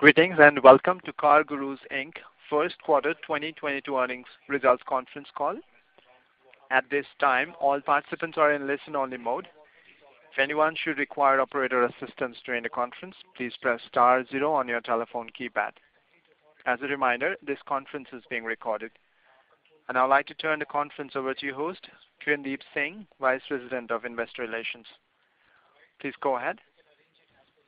Greetings, and welcome to CarGurus, Inc. first quarter 2022 earnings results conference call. At this time, all participants are in listen-only mode. If anyone should require operator assistance during the conference, please press star zero on your telephone keypad. As a reminder, this conference is being recorded. I'd like to turn the conference over to your host, Kirndeep Singh, Vice President of Investor Relations. Please go ahead.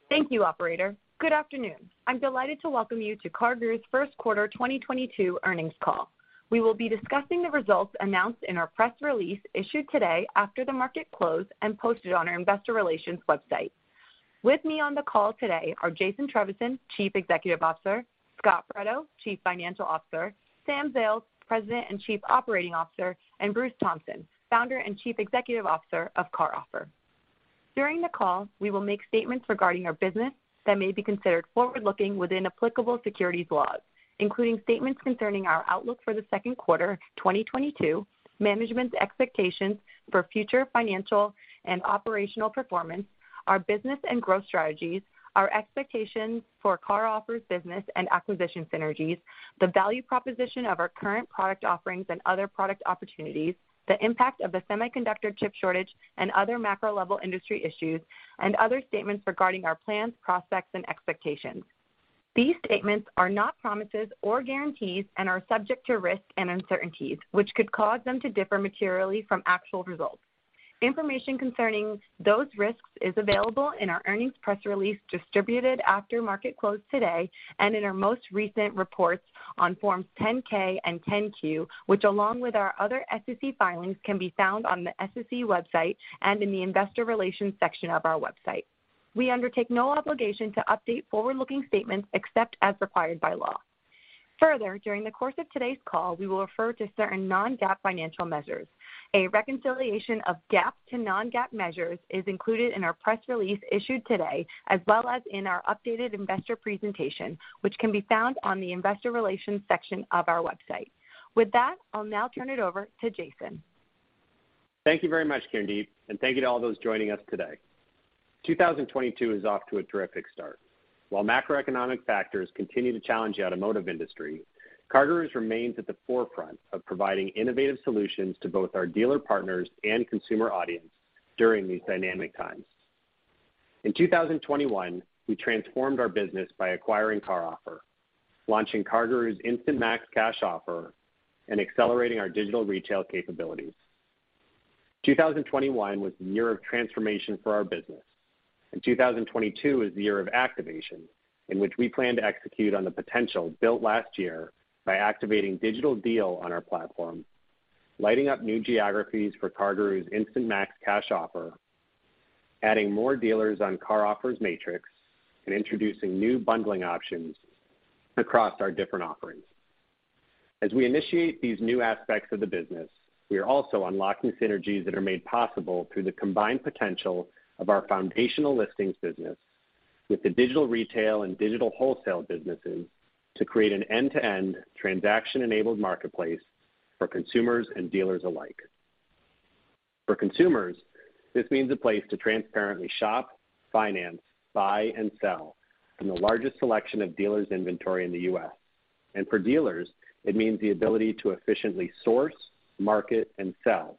Thank you, operator. Good afternoon. I'm delighted to welcome you to CarGurus' first quarter 2022 earnings call. We will be discussing the results announced in our press release issued today after the market closed and posted on our investor relations website. With me on the call today are Jason Trevisan, Chief Executive Officer, Scot Fredo, Chief Financial Officer, Sam Zales, President and Chief Operating Officer, and Bruce Thompson, Founder and Chief Executive Officer of CarOffer. During the call, we will make statements regarding our business that may be considered forward-looking within applicable securities laws, including statements concerning our outlook for the second quarter 2022, management's expectations for future financial and operational performance, our business and growth strategies, our expectations for CarOffer's business and acquisition synergies, the value proposition of our current product offerings and other product opportunities, the impact of the semiconductor chip shortage and other macro-level industry issues, and other statements regarding our plans, prospects, and expectations. These statements are not promises or guarantees and are subject to risks and uncertainties, which could cause them to differ materially from actual results. Information concerning those risks is available in our earnings press release distributed after market close today and in our most recent reports on Forms 10-K and 10-Q, which along with our other SEC filings can be found on the SEC website and in the investor relations section of our website. We undertake no obligation to update forward-looking statements except as required by law. Further, during the course of today's call, we will refer to certain non-GAAP financial measures. A reconciliation of GAAP to non-GAAP measures is included in our press release issued today as well as in our updated investor presentation, which can be found on the investor relations section of our website. With that, I'll now turn it over to Jason. Thank you very much, Kirndeep, and thank you to all those joining us today. 2022 is off to a terrific start. While macroeconomic factors continue to challenge the automotive industry, CarGurus remains at the forefront of providing innovative solutions to both our dealer partners and consumer audience during these dynamic times. In 2021, we transformed our business by acquiring CarOffer, launching CarGurus Instant Max Cash Offer, and accelerating our digital retail capabilities. 2021 was the year of transformation for our business, and 2022 is the year of activation, in which we plan to execute on the potential built last year by activating Digital Deal on our platform, lighting up new geographies for CarGurus Instant Max Cash Offer, adding more dealers on CarOffer's Matrix, and introducing new bundling options across our different offerings. As we initiate these new aspects of the business, we are also unlocking synergies that are made possible through the combined potential of our foundational listings business with the digital retail and digital wholesale businesses to create an end-to-end transaction-enabled marketplace for consumers and dealers alike. For consumers, this means a place to transparently shop, finance, buy, and sell from the largest selection of dealers inventory in the U.S. For dealers, it means the ability to efficiently source, market, and sell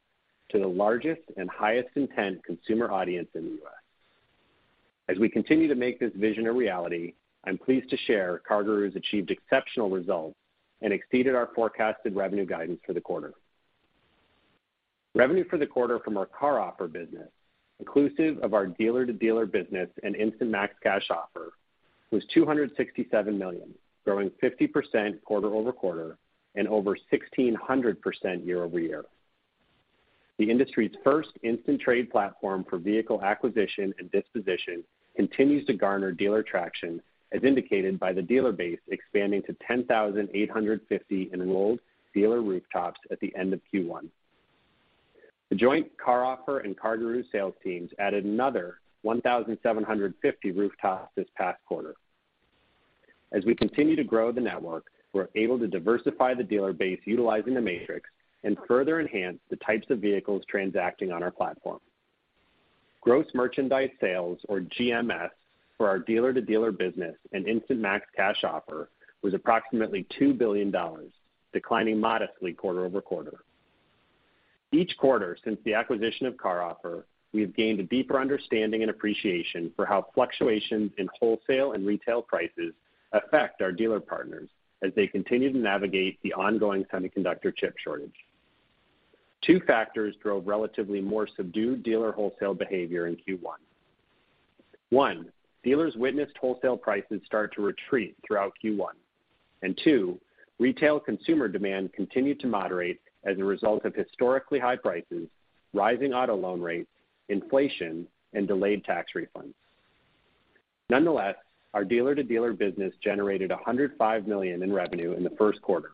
to the largest and highest intent consumer audience in the U.S. As we continue to make this vision a reality, I'm pleased to share CarGurus achieved exceptional results and exceeded our forecasted revenue guidance for the quarter. Revenue for the quarter from our CarOffer business, inclusive of our dealer-to-dealer business and Instant Max Cash Offer, was $267 million, growing 50% quarter-over-quarter and over 1,600% year-over-year. The industry's first instant trade platform for vehicle acquisition and disposition continues to garner dealer traction as indicated by the dealer base expanding to 10,850 in enrolled dealer rooftops at the end of Q1. The joint CarOffer and CarGurus sales teams added another 1,750 rooftops this past quarter. As we continue to grow the network, we're able to diversify the dealer base utilizing the Matrix and further enhance the types of vehicles transacting on our platform. Gross merchandise sales or GMS for our dealer-to-dealer business and Instant Max Cash Offer was approximately $2 billion, declining modestly quarter-over-quarter. Each quarter since the acquisition of CarOffer, we have gained a deeper understanding and appreciation for how fluctuations in wholesale and retail prices affect our dealer partners as they continue to navigate the ongoing semiconductor chip shortage. Two factors drove relatively more subdued dealer wholesale behavior in Q1. One, dealers witnessed wholesale prices start to retreat throughout Q1. Two, retail consumer demand continued to moderate as a result of historically high prices, rising auto loan rates, inflation, and delayed tax refunds. Nonetheless, our dealer-to-dealer business generated $105 million in revenue in the first quarter,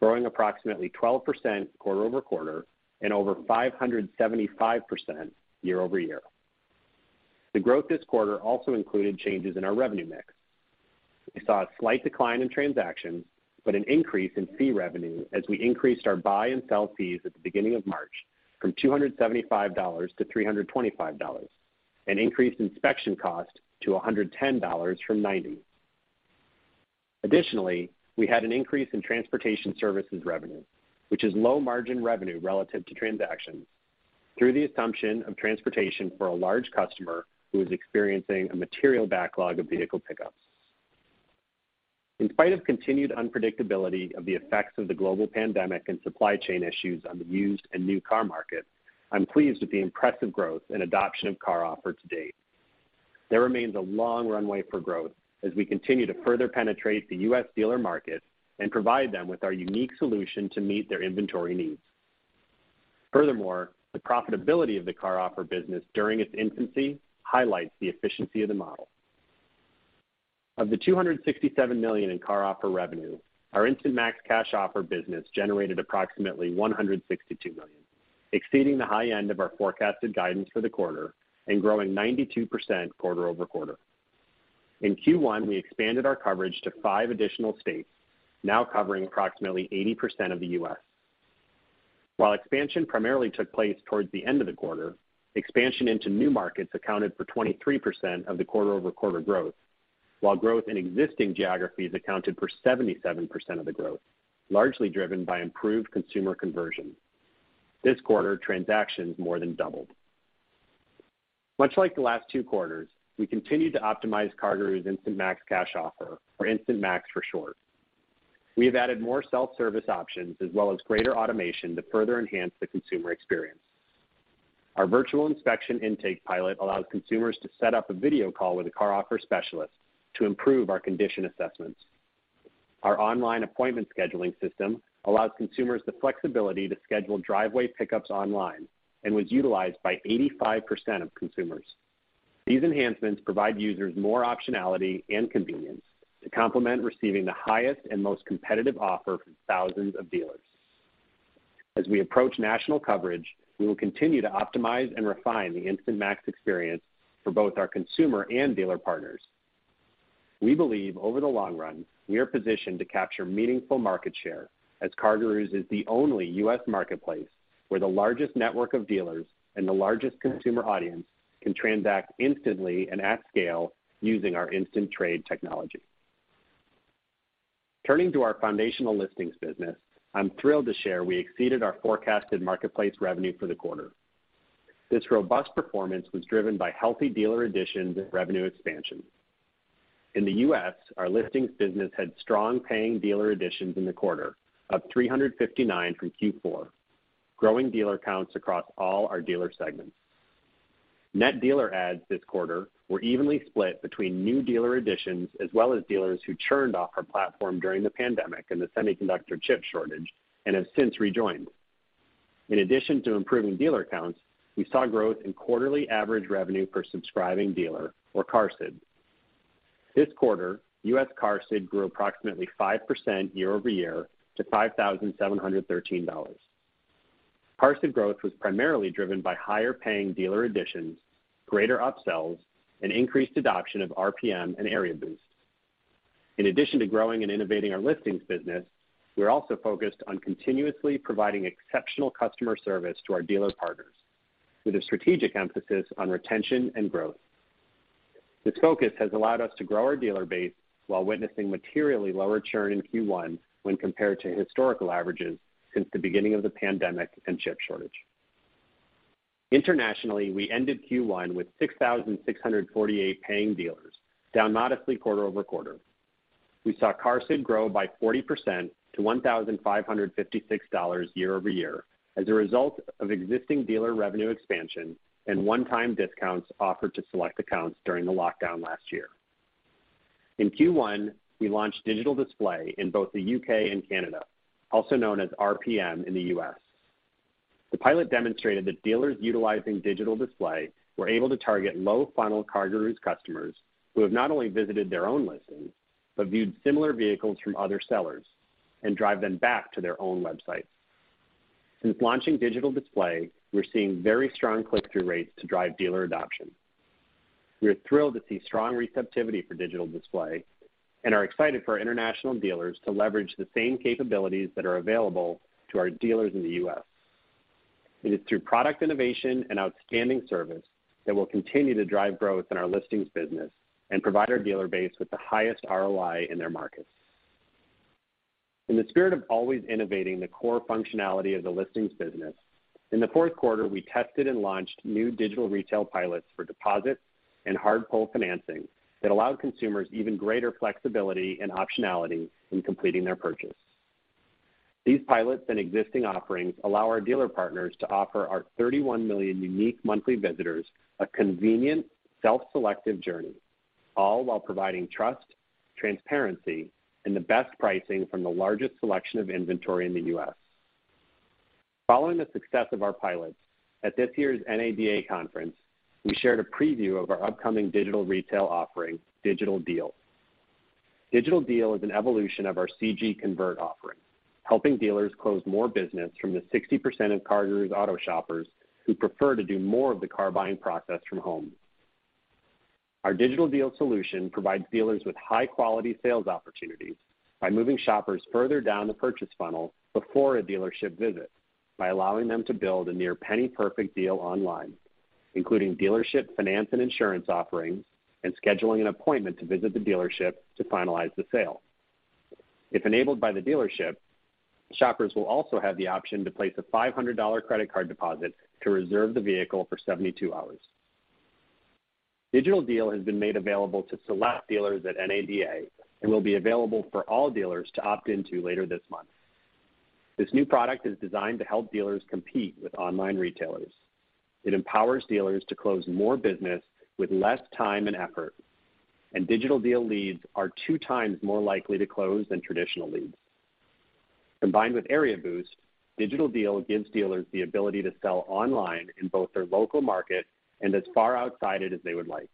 growing approximately 12% quarter-over-quarter and over 575% year-over-year. The growth this quarter also included changes in our revenue mix. We saw a slight decline in transactions, but an increase in fee revenue as we increased our buy and sell fees at the beginning of March from $275-$325, and increased inspection cost to $110 from $90. Additionally, we had an increase in transportation services revenue, which is low margin revenue relative to transactions through the assumption of transportation for a large customer who is experiencing a material backlog of vehicle pickups. In spite of continued unpredictability of the effects of the global pandemic and supply chain issues on the used and new car markets, I'm pleased with the impressive growth and adoption of CarOffer to date. There remains a long runway for growth as we continue to further penetrate the U.S. dealer market and provide them with our unique solution to meet their inventory needs. Furthermore, the profitability of the CarOffer business during its infancy highlights the efficiency of the model. Of the $267 million in CarOffer revenue, our Instant Max Cash Offer business generated approximately $162 million, exceeding the high end of our forecasted guidance for the quarter and growing 92% quarter-over-quarter. In Q1, we expanded our coverage to five additional states, now covering approximately 80% of the U.S. While expansion primarily took place towards the end of the quarter, expansion into new markets accounted for 23% of the quarter-over-quarter growth, while growth in existing geographies accounted for 77% of the growth, largely driven by improved consumer conversion. This quarter, transactions more than doubled. Much like the last two quarters, we continued to optimize CarGurus Instant Max Cash Offer or Instant Max for short. We have added more self-service options as well as greater automation to further enhance the consumer experience. Our virtual inspection intake pilot allows consumers to set up a video call with a CarOffer specialist to improve our condition assessments. Our online appointment scheduling system allows consumers the flexibility to schedule driveway pickups online and was utilized by 85% of consumers. These enhancements provide users more optionality and convenience to complement receiving the highest and most competitive offer from thousands of dealers. As we approach national coverage, we will continue to optimize and refine the Instant Max experience for both our consumer and dealer partners. We believe over the long run, we are positioned to capture meaningful market share as CarGurus is the only U.S. marketplace where the largest network of dealers and the largest consumer audience can transact instantly and at scale using our Instant Trade technology. Turning to our foundational listings business, I'm thrilled to share we exceeded our forecasted marketplace revenue for the quarter. This robust performance was driven by healthy dealer additions and revenue expansion. In the U.S., our listings business had strong paying dealer additions in the quarter, up 359 from Q4, growing dealer counts across all our dealer segments. Net dealer adds this quarter were evenly split between new dealer additions, as well as dealers who churned off our platform during the pandemic and the semiconductor chip shortage and have since rejoined. In addition to improving dealer counts, we saw growth in quarterly average revenue per subscribing dealer or QARSD. This quarter, U.S. QARSD grew approximately 5% year-over-year to $5,713. QARSD growth was primarily driven by higher paying dealer additions, greater upsells, and increased adoption of RPM and Area Boost. In addition to growing and innovating our listings business, we're also focused on continuously providing exceptional customer service to our dealer partners with a strategic emphasis on retention and growth. This focus has allowed us to grow our dealer base while witnessing materially lower churn in Q1 when compared to historical averages since the beginning of the pandemic and chip shortage. Internationally, we ended Q1 with 6,648 paying dealers, down modestly quarter-over-quarter. We saw QARSD grow by 40% to $1,556 year-over-year as a result of existing dealer revenue expansion and one-time discounts offered to select accounts during the lockdown last year. In Q1, we launched Digital Display in both the U.K. and Canada, also known as RPM in the U.S. The pilot demonstrated that dealers utilizing digital display were able to target low-funnel CarGurus customers who have not only visited their own listings, but viewed similar vehicles from other sellers and drive them back to their own websites. Since launching digital display, we're seeing very strong click-through rates to drive dealer adoption. We are thrilled to see strong receptivity for digital display and are excited for our international dealers to leverage the same capabilities that are available to our dealers in the U.S. It is through product innovation and outstanding service that will continue to drive growth in our listings business and provide our dealer base with the highest ROI in their markets. In the spirit of always innovating the core functionality of the listings business, in the fourth quarter, we tested and launched new digital retail pilots for deposits and hard pull financing that allowed consumers even greater flexibility and optionality in completing their purchase. These pilots and existing offerings allow our dealer partners to offer our 31 million unique monthly visitors a convenient self-selective journey, all while providing trust, transparency, and the best pricing from the largest selection of inventory in the U.S. Following the success of our pilots, at this year's NADA conference, we shared a preview of our upcoming digital retail offering, Digital Deal. Digital Deal is an evolution of our CG Convert offering, helping dealers close more business from the 60% of CarGurus auto shoppers who prefer to do more of the car buying process from home. Our Digital Deal solution provides dealers with high-quality sales opportunities by moving shoppers further down the purchase funnel before a dealership visit by allowing them to build a near penny perfect deal online, including dealership, finance, and insurance offerings, and scheduling an appointment to visit the dealership to finalize the sale. If enabled by the dealership, shoppers will also have the option to place a $500 credit card deposit to reserve the vehicle for 72 hours. Digital Deal has been made available to select dealers at NADA and will be available for all dealers to opt into later this month. This new product is designed to help dealers compete with online retailers. It empowers dealers to close more business with less time and effort. Digital Deal leads are 2x more likely to close than traditional leads. Combined with Area Boost, Digital Deal gives dealers the ability to sell online in both their local market and as far outside it as they would like.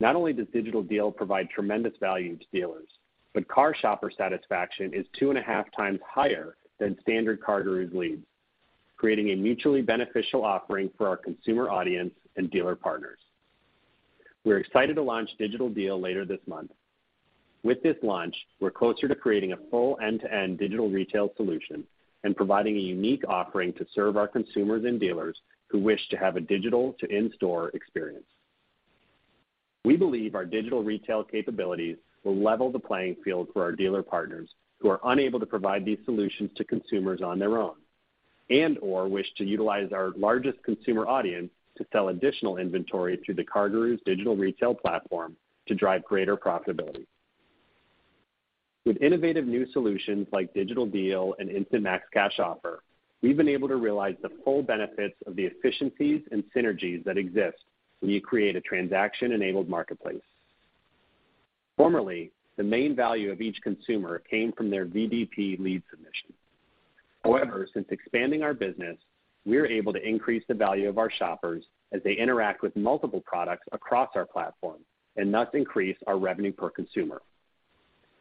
Not only does Digital Deal provide tremendous value to dealers, but car shopper satisfaction is 2.5x higher than standard CarGurus leads, creating a mutually beneficial offering for our consumer audience and dealer partners. We're excited to launch Digital Deal later this month. With this launch, we're closer to creating a full end-to-end digital retail solution and providing a unique offering to serve our consumers and dealers who wish to have a digital to in-store experience. We believe our digital retail capabilities will level the playing field for our dealer partners who are unable to provide these solutions to consumers on their own and/or wish to utilize our largest consumer audience to sell additional inventory through the CarGurus digital retail platform to drive greater profitability. With innovative new solutions like Digital Deal and Instant Max Cash Offer, we've been able to realize the full benefits of the efficiencies and synergies that exist when you create a transaction-enabled marketplace. Formerly, the main value of each consumer came from their VDP lead submission. However, since expanding our business, we are able to increase the value of our shoppers as they interact with multiple products across our platform and thus increase our revenue per consumer.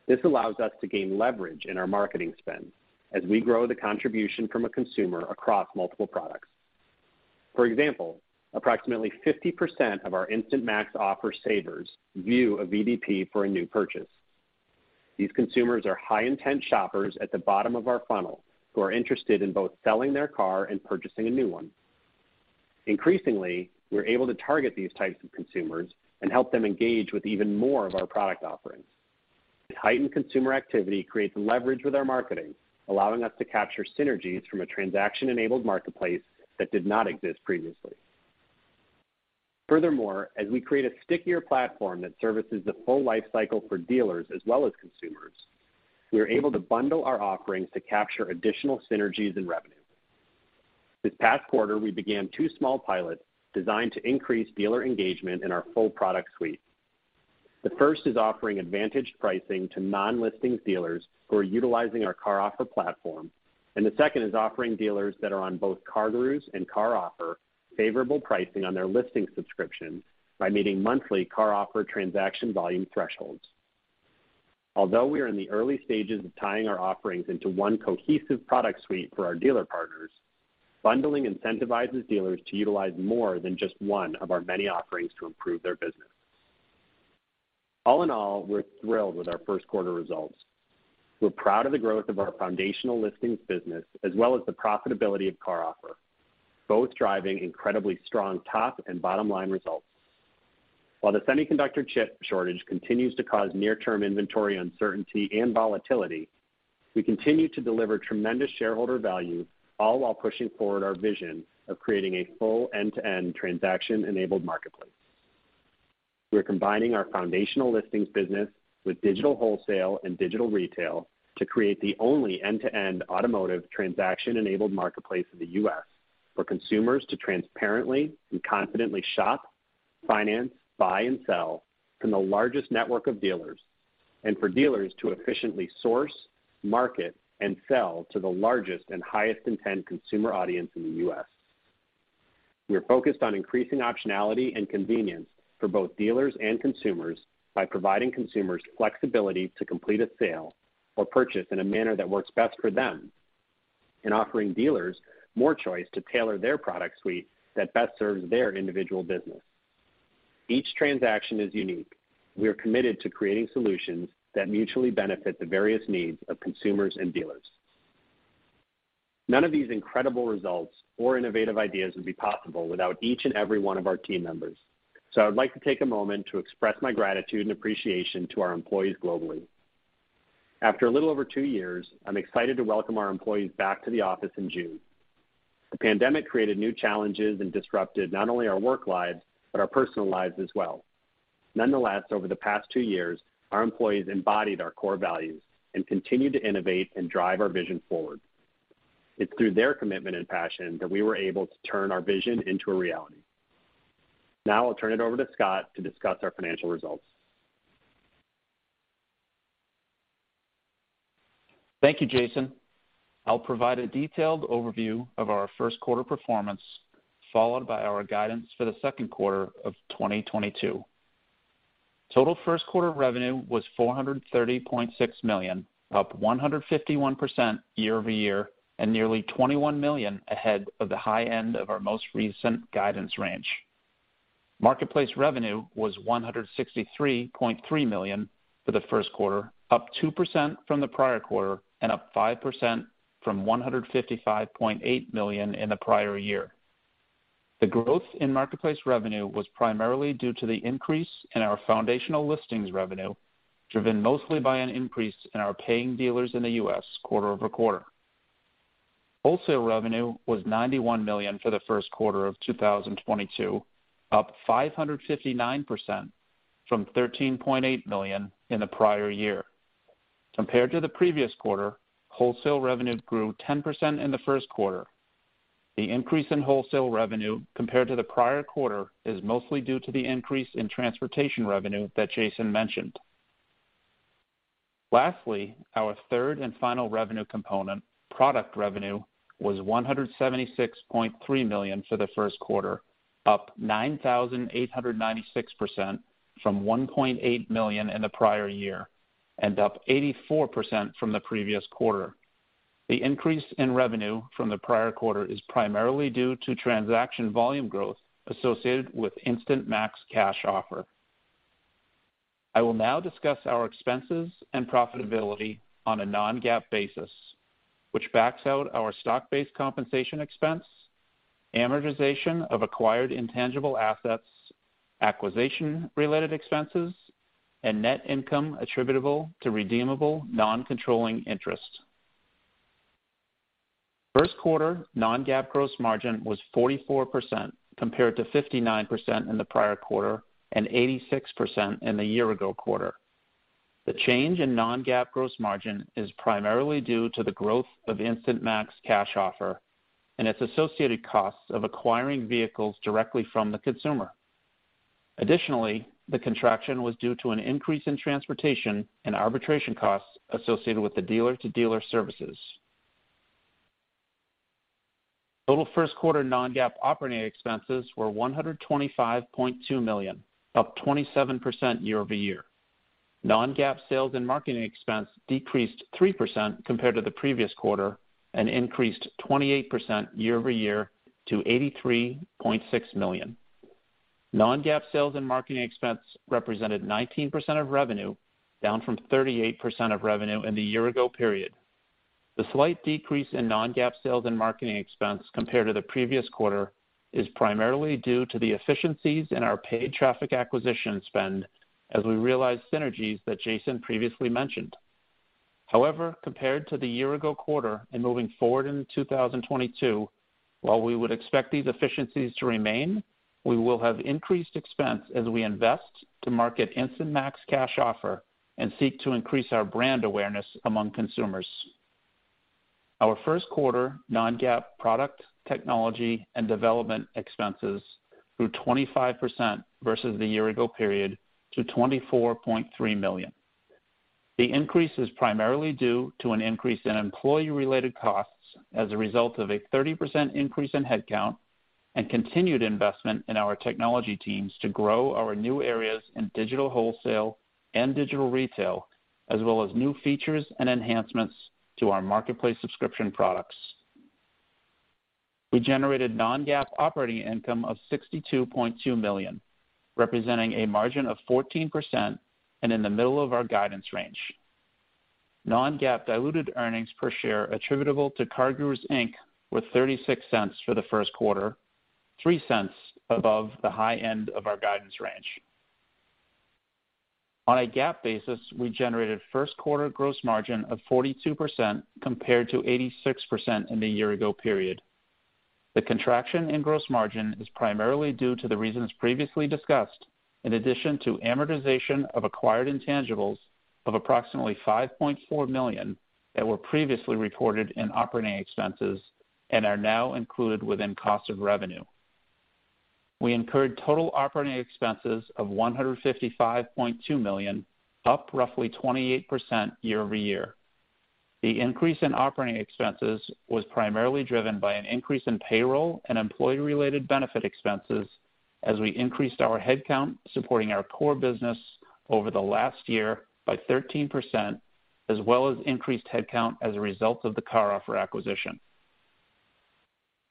This allows us to gain leverage in our marketing spend as we grow the contribution from a consumer across multiple products. For example, approximately 50% of our Instant Max Offer savers view a VDP for a new purchase. These consumers are high intent shoppers at the bottom of our funnel who are interested in both selling their car and purchasing a new one. Increasingly, we're able to target these types of consumers and help them engage with even more of our product offerings. Heightened consumer activity creates leverage with our marketing, allowing us to capture synergies from a transaction-enabled marketplace that did not exist previously. Furthermore, as we create a stickier platform that services the full life cycle for dealers as well as consumers, we are able to bundle our offerings to capture additional synergies and revenue. This past quarter, we began two small pilots designed to increase dealer engagement in our full product suite. The first is offering advantaged pricing to non-listing dealers who are utilizing our CarOffer platform, and the second is offering dealers that are on both CarGurus and CarOffer favorable pricing on their listings subscription by meeting monthly CarOffer transaction volume thresholds. Although we are in the early stages of tying our offerings into one cohesive product suite for our dealer partners, bundling incentivizes dealers to utilize more than just one of our many offerings to improve their business. All in all, we're thrilled with our first quarter results. We're proud of the growth of our foundational listings business as well as the profitability of CarOffer, both driving incredibly strong top and bottom line results. While the semiconductor chip shortage continues to cause near-term inventory uncertainty and volatility, we continue to deliver tremendous shareholder value, all while pushing forward our vision of creating a full end-to-end transaction-enabled marketplace. We're combining our foundational listings business with digital wholesale and digital retail to create the only end-to-end automotive transaction-enabled marketplace in the U.S. for consumers to transparently and confidently shop, finance, buy, and sell from the largest network of dealers, and for dealers to efficiently source, market, and sell to the largest and highest intent consumer audience in the U.S. We are focused on increasing optionality and convenience for both dealers and consumers by providing consumers flexibility to complete a sale or purchase in a manner that works best for them and offering dealers more choice to tailor their product suite that best serves their individual business. Each transaction is unique. We are committed to creating solutions that mutually benefit the various needs of consumers and dealers. None of these incredible results or innovative ideas would be possible without each and every one of our team members. I would like to take a moment to express my gratitude and appreciation to our employees globally. After a little over two years, I'm excited to welcome our employees back to the office in June. The pandemic created new challenges and disrupted not only our work lives, but our personal lives as well. Nonetheless, over the past two years, our employees embodied our core values and continued to innovate and drive our vision forward. It's through their commitment and passion that we were able to turn our vision into a reality. Now I'll turn it over to Scot to discuss our financial results. Thank you, Jason. I'll provide a detailed overview of our first quarter performance, followed by our guidance for the second quarter of 2022. Total first quarter revenue was $430.6 million, up 151% year-over-year, and nearly $21 million ahead of the high end of our most recent guidance range. Marketplace revenue was $163.3 million for the first quarter, up 2% from the prior quarter and up 5% from $155.8 million in the prior year. The growth in marketplace revenue was primarily due to the increase in our foundational listings revenue, driven mostly by an increase in our paying dealers in the U.S. quarter-over-quarter. Wholesale revenue was $91 million for the first quarter of 2022, up 559% from $13.8 million in the prior year. Compared to the previous quarter, wholesale revenue grew 10% in the first quarter. The increase in wholesale revenue compared to the prior quarter is mostly due to the increase in transportation revenue that Jason mentioned. Lastly, our third and final revenue component, product revenue, was $176.3 million for the first quarter, up 9,896% from $1.8 million in the prior year, and up 84% from the previous quarter. The increase in revenue from the prior quarter is primarily due to transaction volume growth associated with Instant Max Cash Offer. I will now discuss our expenses and profitability on a non-GAAP basis, which backs out our stock-based compensation expense, amortization of acquired intangible assets, acquisition related expenses, and net income attributable to redeemable non-controlling interest. First quarter non-GAAP gross margin was 44% compared to 59% in the prior quarter and 86% in the year ago quarter. The change in non-GAAP gross margin is primarily due to the growth of Instant Max Cash Offer and its associated costs of acquiring vehicles directly from the consumer. Additionally, the contraction was due to an increase in transportation and arbitration costs associated with the dealer-to-dealer services. Total first quarter non-GAAP operating expenses were $125.2 million, up 27% year-over-year. Non-GAAP sales and marketing expense decreased 3% compared to the previous quarter and increased 28% year-over-year to $83.6 million. Non-GAAP sales and marketing expense represented 19% of revenue, down from 38% of revenue in the year ago period. The slight decrease in non-GAAP sales and marketing expense compared to the previous quarter is primarily due to the efficiencies in our paid traffic acquisition spend as we realize synergies that Jason previously mentioned. However, compared to the year ago quarter and moving forward in 2022, while we would expect these efficiencies to remain, we will have increased expense as we invest to market Instant Max Cash Offer and seek to increase our brand awareness among consumers. Our first quarter non-GAAP product, technology and development expenses grew 25% versus the year ago period to $24.3 million. The increase is primarily due to an increase in employee related costs as a result of a 30% increase in headcount and continued investment in our technology teams to grow our new areas in digital wholesale and digital retail, as well as new features and enhancements to our marketplace subscription products. We generated non-GAAP operating income of $62.2 million, representing a margin of 14% and in the middle of our guidance range. Non-GAAP diluted earnings per share attributable to CarGurus, Inc. were $0.36 for the first quarter, $0.03 above the high end of our guidance range. On a GAAP basis, we generated first quarter gross margin of 42% compared to 86% in the year ago period. The contraction in gross margin is primarily due to the reasons previously discussed, in addition to amortization of acquired intangibles of approximately $5.4 million that were previously recorded in operating expenses and are now included within cost of revenue. We incurred total operating expenses of $155.2 million, up roughly 28% year-over-year. The increase in operating expenses was primarily driven by an increase in payroll and employee related benefit expenses as we increased our headcount supporting our core business over the last year by 13% as well as increased headcount as a result of the CarOffer acquisition.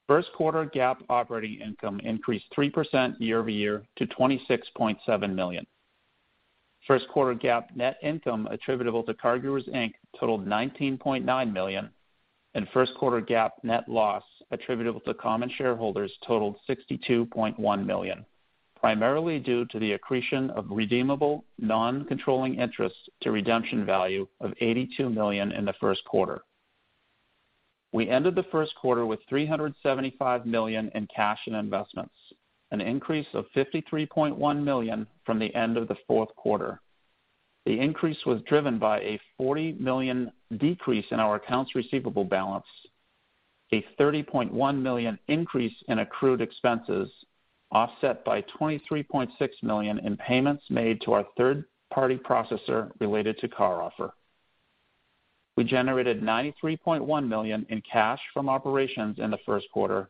First quarter GAAP operating income increased 3% year-over-year to $26.7 million. First quarter GAAP net income attributable to CarGurus, Inc. totaled $19.9 million, and first quarter GAAP net loss attributable to common shareholders totaled $62.1 million, primarily due to the accretion of redeemable non-controlling interests to redemption value of $82 million in the first quarter. We ended the first quarter with $375 million in cash and investments, an increase of $53.1 million from the end of the fourth quarter. The increase was driven by a $40 million decrease in our accounts receivable balance, a $30.1 million increase in accrued expenses, offset by $23.6 million in payments made to our third party processor related to CarOffer. We generated $93.1 million in cash from operations in the first quarter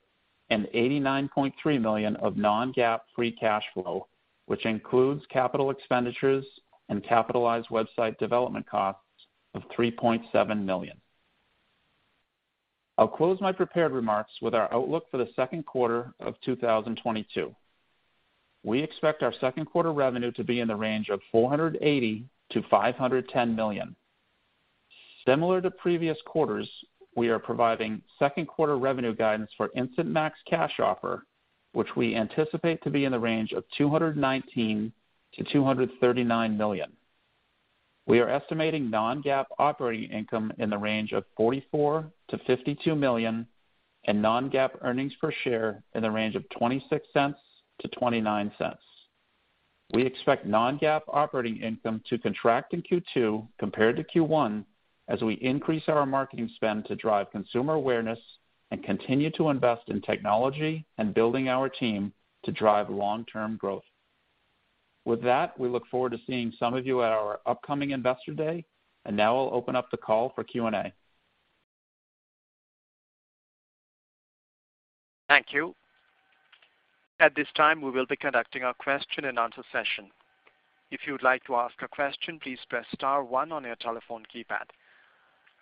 and $89.3 million of non-GAAP free cash flow, which includes capital expenditures and capitalized website development costs of $3.7 million. I'll close my prepared remarks with our outlook for the second quarter of 2022. We expect our second quarter revenue to be in the range of $480 million-$510 million. Similar to previous quarters, we are providing second quarter revenue guidance for Instant Max Cash Offer, which we anticipate to be in the range of $219 million-$239 million. We are estimating non-GAAP operating income in the range of $44 million-$52 million and non-GAAP earnings per share in the range of $0.26-$0.29. We expect non-GAAP operating income to contract in Q2 compared to Q1 as we increase our marketing spend to drive consumer awareness and continue to invest in technology and building our team to drive long-term growth. With that, we look forward to seeing some of you at our upcoming Investor Day, and now I'll open up the call for Q&A. Thank you. At this time, we will be conducting our question-and-answer session. If you would like to ask a question, please press star one on your telephone keypad.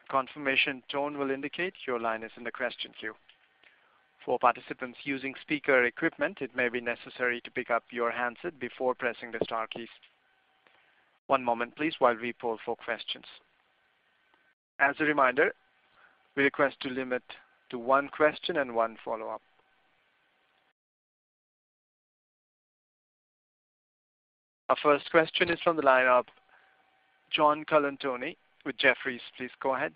A confirmation tone will indicate your line is in the question queue. For participants using speaker equipment, it may be necessary to pick up your handset before pressing the star keys. One moment please while we poll for questions. As a reminder, we request to limit to one question and one follow-up. Our first question is from the line of John Colantuoni with Jefferies. Please go ahead.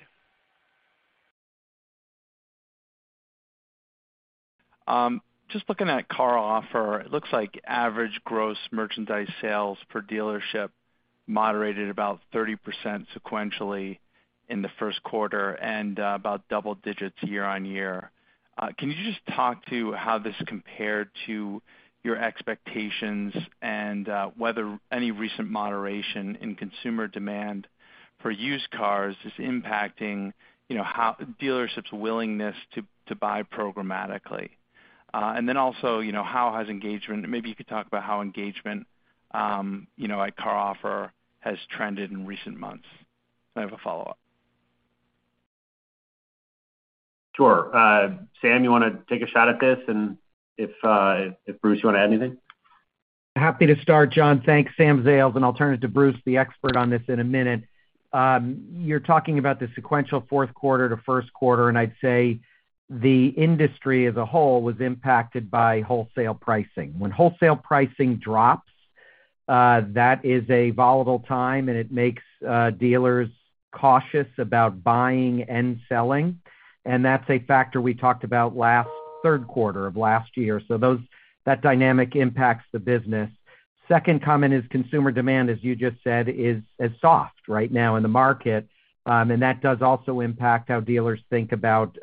Just looking at CarOffer, it looks like average gross merchandise sales per dealership moderated about 30% sequentially in the first quarter and about double-digits year-on-year. Can you just talk to how this compared to your expectations and whether any recent moderation in consumer demand for used cars is impacting, you know, how dealerships' willingness to buy programmatically? Then also, you know, maybe you could talk about how engagement at CarOffer has trended in recent months. I have a follow-up. Sure. Sam, you want to take a shot at this, and if, Bruce, you want to add anything? Happy to start, John. Thanks. Sam Zales, and I'll turn it to Bruce, the expert on this in a minute. You're talking about the sequential fourth quarter to first quarter, and I'd say the industry as a whole was impacted by wholesale pricing. When wholesale pricing drops, that is a volatile time, and it makes dealers cautious about buying and selling, and that's a factor we talked about last third quarter of last year. That dynamic impacts the business. Second comment is consumer demand, as you just said, is soft right now in the market, and that does also impact how dealers think about,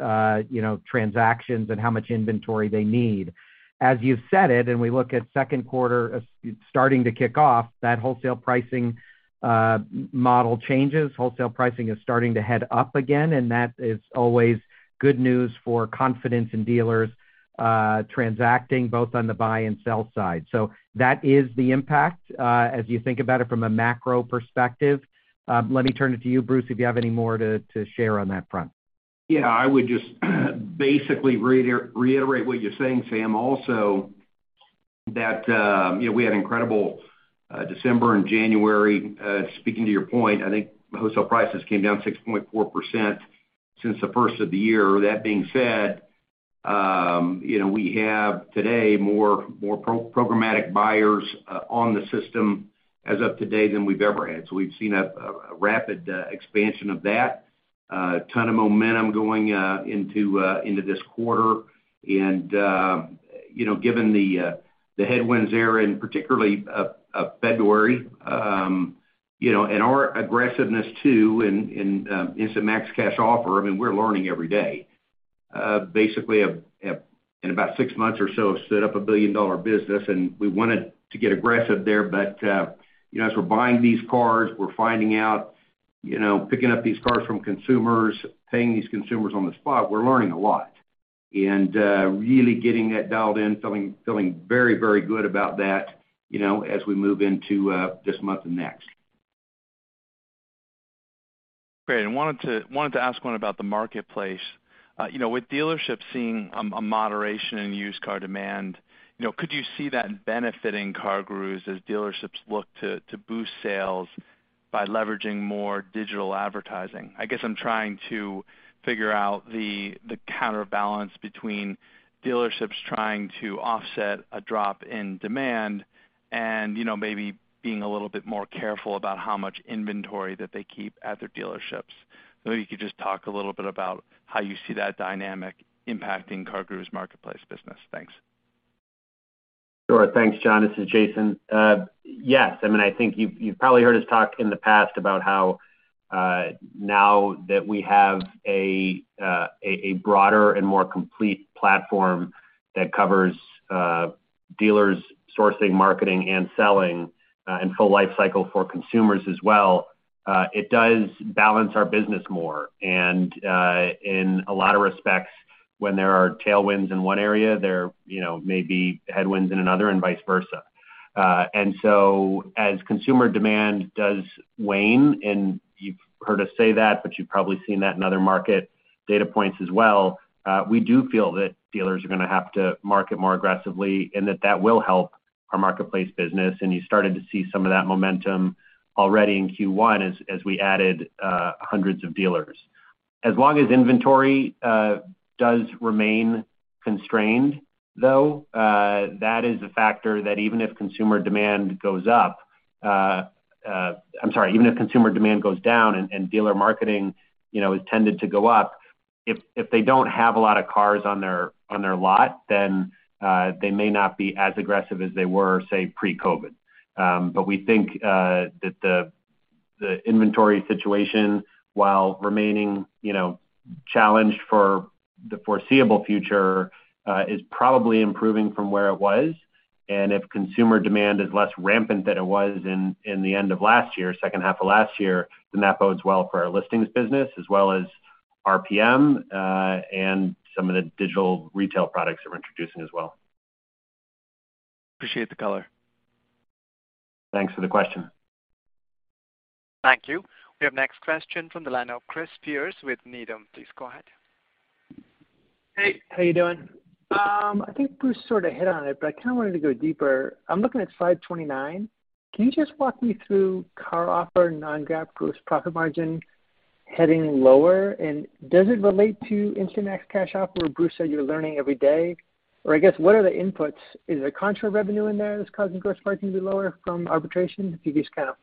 you know, transactions and how much inventory they need. As you said it, and we look at second quarter starting to kick off, that wholesale pricing model changes. Wholesale pricing is starting to head up again, and that is always good news for confidence in dealers, transacting both on the buy and sell side. That is the impact, as you think about it from a macro perspective. Let me turn it to you, Bruce, if you have any more to share on that front. Yeah, I would just basically reiterate what you're saying, Sam. Also, that, you know, we had incredible December and January. Speaking to your point, I think wholesale prices came down 6.4% since the first of the year. That being said, you know, we have today more programmatic buyers on the system as of today than we've ever had. We've seen a rapid expansion of that. A ton of momentum going into this quarter. You know, given the headwinds there, and particularly February, you know, and our aggressiveness too in Instant Max Cash Offer, I mean, we're learning every day. Basically in about six months or so set up a billion-dollar business, and we wanted to get aggressive there. You know, as we're buying these cars, we're finding out, you know, picking up these cars from consumers, paying these consumers on the spot, we're learning a lot. Really getting that dialed in, feeling very, very good about that, you know, as we move into this month and next. Great. I wanted to ask one about the marketplace. You know, with dealerships seeing a moderation in used car demand, you know, could you see that benefiting CarGurus as dealerships look to boost sales by leveraging more digital advertising? I guess I'm trying to figure out the counterbalance between dealerships trying to offset a drop in demand and, you know, maybe being a little bit more careful about how much inventory that they keep at their dealerships. You could just talk a little bit about how you see that dynamic impacting CarGurus marketplace business? Thanks. Sure. Thanks, John. This is Jason. Yes. I mean, I think you've probably heard us talk in the past about how now that we have a broader and more complete platform that covers. Dealers sourcing, marketing, and selling and full life cycle for consumers as well. It does balance our business more. In a lot of respects, when there are tailwinds in one area, there you know may be headwinds in another and vice versa. As consumer demand does wane, and you've heard us say that, but you've probably seen that in other market data points as well, we do feel that dealers are gonna have to market more aggressively, and that will help our marketplace business. You started to see some of that momentum already in Q1 as we added hundreds of dealers. As long as inventory does remain constrained, though, that is a factor that even if consumer demand goes down and dealer marketing, you know, is tended to go up, if they don't have a lot of cars on their lot, then they may not be as aggressive as they were, say, pre-COVID. But we think that the inventory situation, while remaining, you know, challenged for the foreseeable future, is probably improving from where it was. If consumer demand is less rampant than it was in the end of last year, second half of last year, then that bodes well for our listings business as well as RPM and some of the digital retail products that we're introducing as well. Appreciate the color. Thanks for the question. Thank you. We have next question from the line of Chris Pierce with Needham. Please go ahead. Hey, how you doing? I think Bruce sort of hit on it, but I kind of wanted to go deeper. I'm looking at slide 29. Can you just walk me through CarOffer non-GAAP gross profit margin heading lower? Does it relate to Instant Max Cash Offer where Bruce said you're learning every day? I guess, what are the inputs? Is there contra revenue in there that's causing gross margin to be lower from arbitrage? If you just kind of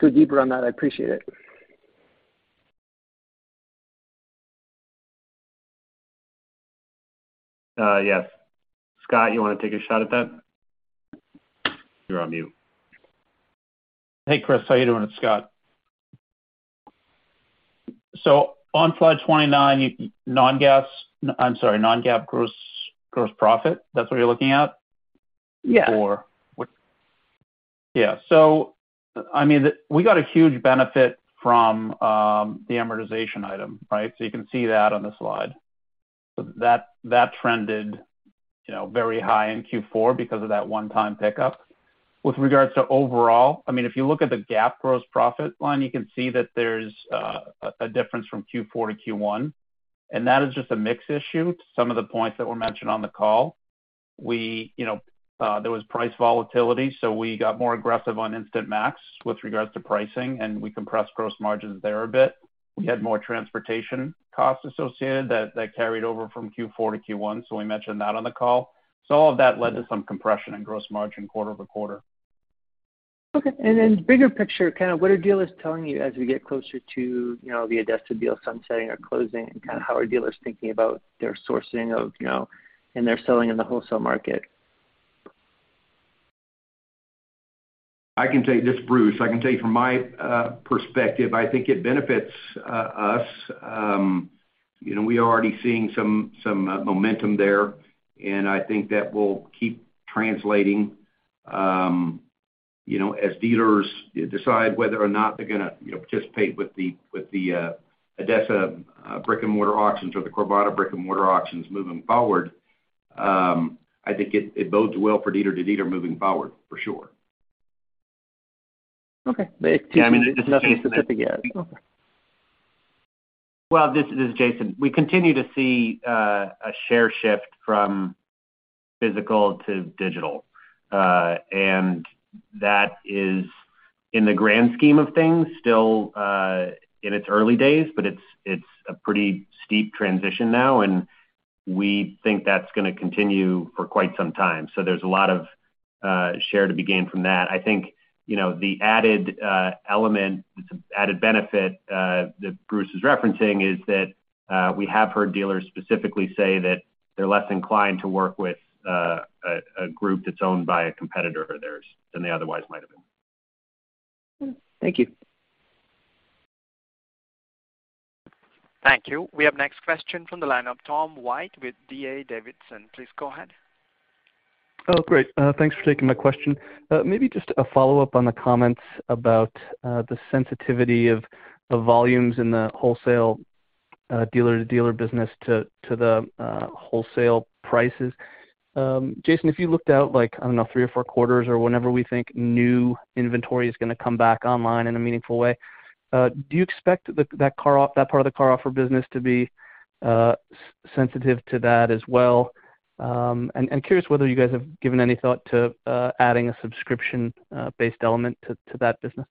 go deeper on that, I'd appreciate it. Yes. Scot, you wanna take a shot at that? You're on mute. Hey, Chris. How you doing? It's Scot. On slide 29, non-GAAP, I'm sorry, non-GAAP gross profit, that's what you're looking at? Yeah. I mean, we got a huge benefit from the amortization item, right? You can see that on the slide. That trended, you know, very high in Q4 because of that one-time pickup. With regards to overall, I mean, if you look at the GAAP gross profit line, you can see that there's a difference from Q4 to Q1, and that is just a mix issue due to some of the points that were mentioned on the call. We, you know, there was price volatility, so we got more aggressive on Instant Max with regards to pricing, and we compressed gross margins there a bit. We had more transportation costs associated that carried over from Q4 to Q1, so we mentioned that on the call. All of that led to some compression in gross margin quarter-over-quarter. Okay. Bigger picture, kind of what are dealers telling you as we get closer to, you know, the ADESA deal sunsetting or closing, and kind of how are dealers thinking about their sourcing of, you know, and their selling in the wholesale market? I can tell you. This is Bruce. I can tell you from my perspective, I think it benefits us. You know, we are already seeing some momentum there, and I think that will keep translating, you know, as dealers decide whether or not they're gonna, you know, participate with the ADESA brick-and-mortar auctions or the Carvana brick-and-mortar auctions moving forward. I think it bodes well for dealer-to-dealer moving forward, for sure. Okay. Yeah, I mean, this is Jason. Nothing specific yet. Okay. Well, this is Jason. We continue to see a share shift from physical to digital. That is, in the grand scheme of things, still in its early days, but it's a pretty steep transition now, and we think that's gonna continue for quite some time. There's a lot of share to be gained from that. I think, you know, the added element, added benefit that Bruce is referencing is that we have heard dealers specifically say that they're less inclined to work with a group that's owned by a competitor of theirs than they otherwise might have been. Thank you. Thank you. We have next question from the line of Tom White with D.A. Davidson. Please go ahead. Oh, great. Thanks for taking my question. Maybe just a follow-up on the comments about the sensitivity of the volumes in the wholesale dealer-to-dealer business to the wholesale prices. Jason, if you looked out like, I don't know, three or four quarters or whenever we think new inventory is gonna come back online in a meaningful way, do you expect that part of the CarOffer business to be sensitive to that as well? Curious whether you guys have given any thought to adding a subscription based element to that business?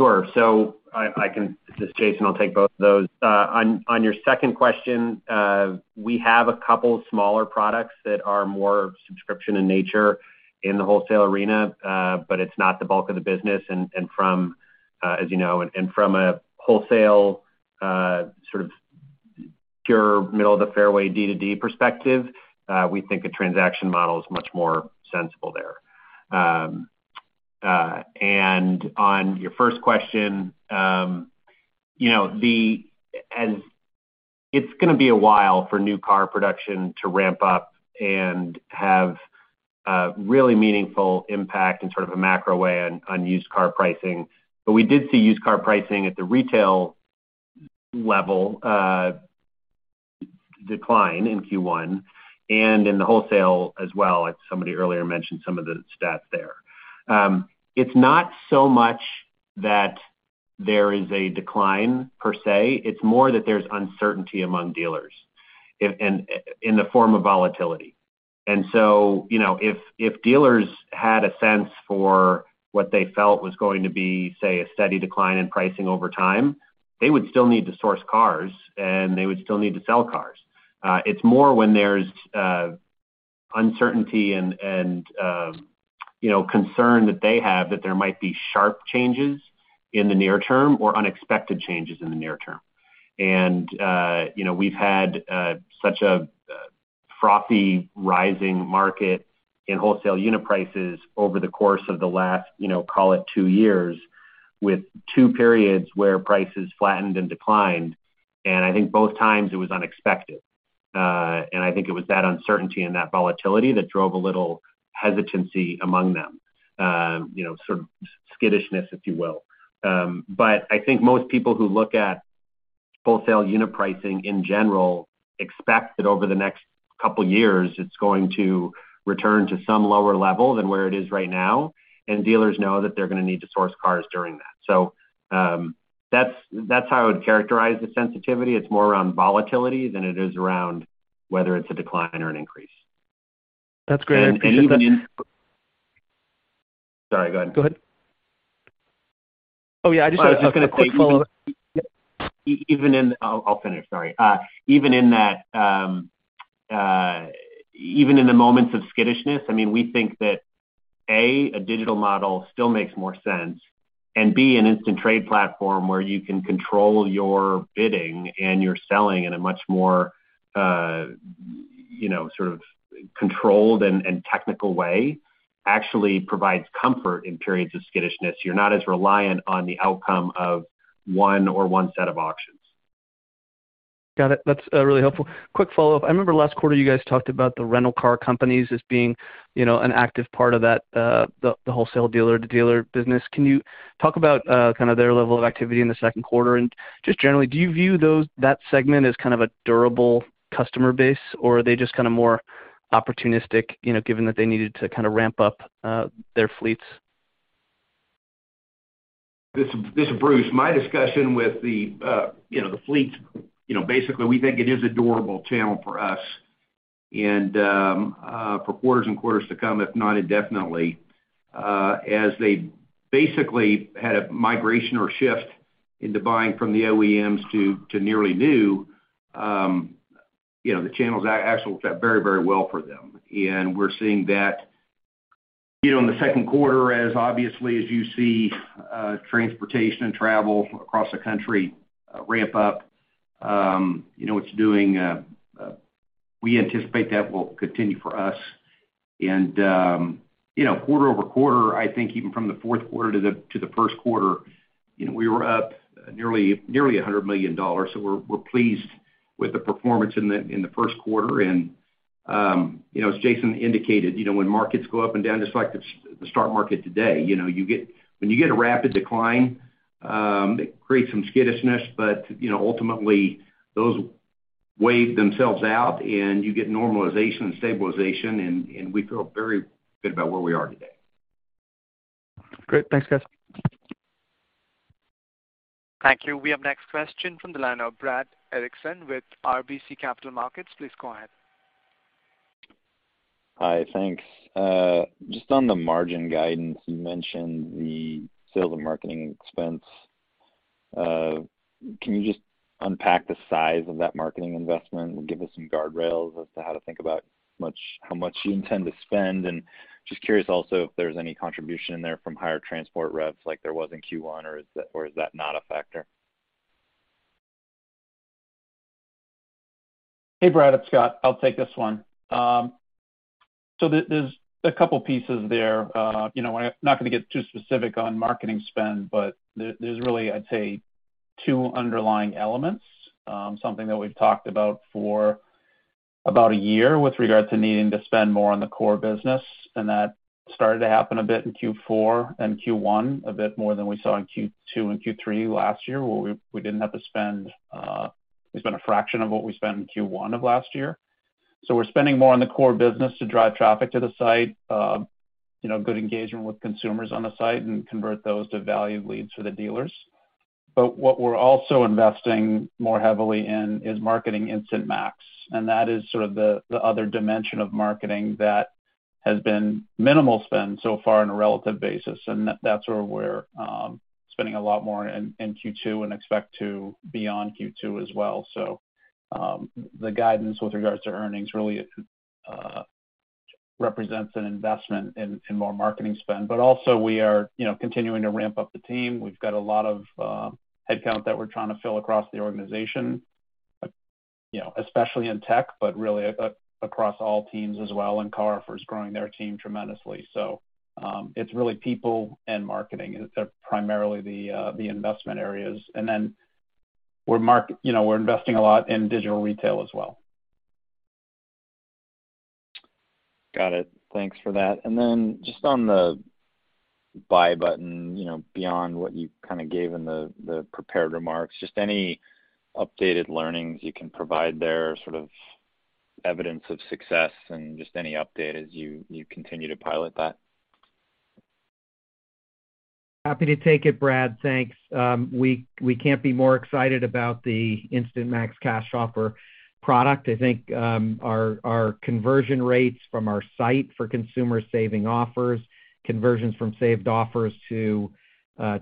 Sure. This is Jason, I'll take both of those. On your second question, we have a couple smaller products that are more subscription in nature in the wholesale arena, but it's not the bulk of the business. From, as you know, a wholesale sort of pure middle-of-the-fairway D2D perspective, we think a transaction model is much more sensible there. On your first question, you know, it's gonna be a while for new car production to ramp up and have a really meaningful impact in sort of a macro way on used car pricing. We did see used car pricing at the retail level decline in Q1 and in the wholesale as well, as somebody earlier mentioned some of the stats there. It's not so much that there is a decline per se, it's more that there's uncertainty among dealers in the form of volatility. You know, if dealers had a sense for what they felt was going to be, say, a steady decline in pricing over time, they would still need to source cars and they would still need to sell cars. It's more when there's uncertainty and, you know, concern that they have that there might be sharp changes in the near term or unexpected changes in the near term. You know, we've had such a frothy rising market in wholesale unit prices over the course of the last, you know, call it two years, with two periods where prices flattened and declined, and I think both times it was unexpected. I think it was that uncertainty and that volatility that drove a little hesitancy among them, you know, sort of skittishness, if you will. I think most people who look at wholesale unit pricing in general expect that over the next couple years it's going to return to some lower level than where it is right now, and dealers know that they're gonna need to source cars during that. That's how I would characterize the sensitivity. It's more around volatility than it is around whether it's a decline or an increase. That's great. Sorry, go ahead. Go ahead. Oh, yeah, I just had a quick follow-up. Even in the moments of skittishness, I mean, we think that, A, a digital model still makes more sense, and B, an instant trade platform where you can control your bidding and your selling in a much more, you know, sort of controlled and technical way actually provides comfort in periods of skittishness. You're not as reliant on the outcome of one or set of auctions. Got it. That's really helpful. Quick follow-up. I remember last quarter you guys talked about the rental car companies as being, you know, an active part of that the wholesale dealer to dealer business. Can you talk about kind of their level of activity in the second quarter? And just generally, do you view those, that segment as kind of a durable customer base, or are they just kinda more opportunistic, you know, given that they needed to kinda ramp up their fleets? This is Bruce. My discussion with the, you know, the fleets, you know, basically we think it is a durable channel for us and for quarters and quarters to come, if not indefinitely, as they basically had a migration or shift into buying from the OEMs to nearly new, you know, the channels actually fit very, very well for them. We're seeing that, you know, in the second quarter as obviously as you see transportation and travel across the country ramp up, you know. We anticipate that will continue for us. You know, quarter-over-quarter, I think even from the fourth quarter to the first quarter, you know, we were up nearly $100 million. We're pleased with the performance in the first quarter. You know, as Jason indicated, you know, when markets go up and down, just like the stock market today, you know, when you get a rapid decline, it creates some skittishness, but, you know, ultimately those work themselves out and you get normalization and stabilization and we feel very good about where we are today. Great. Thanks, guys. Thank you. We have next question from the line of Brad Erickson with RBC Capital Markets. Please go ahead. Hi. Thanks. Just on the margin guidance, you mentioned the sales and marketing expense. Can you just unpack the size of that marketing investment and give us some guardrails as to how to think about how much you intend to spend? Just curious also if there's any contribution in there from higher transport revs like there was in Q1, or is that not a factor? Hey, Brad, it's Scot. I'll take this one. There's a couple pieces there. You know, I'm not gonna get too specific on marketing spend, but there's really, I'd say, two underlying elements. Something that we've talked about for about a year with regard to needing to spend more on the core business, and that started to happen a bit in Q4 and Q1, a bit more than we saw in Q2 and Q3 last year, where we didn't have to spend, we spent a fraction of what we spent in Q1 of last year. We're spending more on the core business to drive traffic to the site, you know, good engagement with consumers on the site and convert those to valued leads for the dealers. What we're also investing more heavily in is marketing Instant Max, and that is sort of the other dimension of marketing that has been minimal spend so far on a relative basis. That's where we're spending a lot more in Q2 and expect to beyond Q2 as well. The guidance with regards to earnings really represents an investment in more marketing spend. Also we are, you know, continuing to ramp up the team. We've got a lot of headcount that we're trying to fill across the organization. You know, especially in tech, but really across all teams as well, and CarOffer is growing their team tremendously. It's really people and marketing. They're primarily the investment areas. Then, you know, we're investing a lot in digital retail as well. Got it. Thanks for that. Just on the buy button, you know, beyond what you kind of gave in the prepared remarks, just any updated learnings you can provide there, sort of evidence of success and just any update as you continue to pilot that? Happy to take it, Brad. Thanks. We can't be more excited about the Instant Max Cash Offer product. I think, our conversion rates from our site for consumer saved offers, conversions from saved offers to,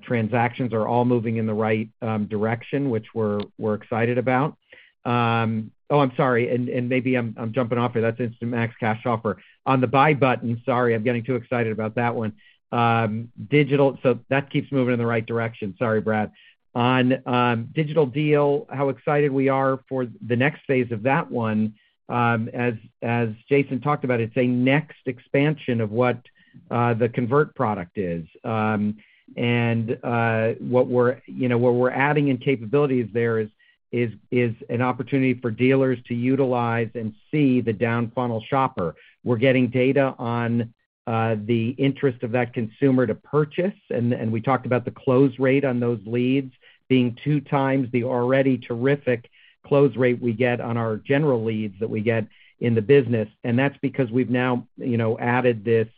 transactions are all moving in the right direction, which we're excited about. Oh, I'm sorry, and maybe I'm jumping off here. That's Instant Max Cash Offer. On the buy button, sorry, I'm getting too excited about that one. That keeps moving in the right direction. Sorry, Brad. On Digital Deal, how excited we are for the next phase of that one. As Jason talked about, it's a next expansion of what the Convert product is. What we're adding in capabilities there, you know, is an opportunity for dealers to utilize and see the down-funnel shopper. We're getting data on the interest of that consumer to purchase, and we talked about the close rate on those leads being 2x the already terrific close rate we get on our general leads that we get in the business. That's because we've now, you know, added this